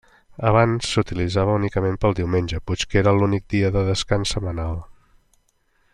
Abans s'utilitzava únicament pel diumenge puix que era l'únic dia de descans setmanal.